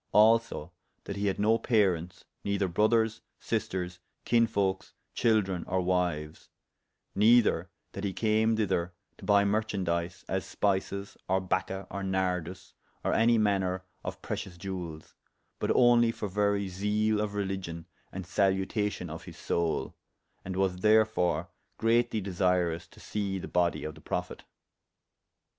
Also that he had no parents, neyther brothers, sisters, kinsefolkes, chyldren, or wyues; neyther that he came thyther to buy merchaundies, as spices, or bacca, or nardus, or any maner of precious jewelles; but only for very zeale of religion and saluation of his soule, and was therefore greatly desirous to see the bodie of the prophet.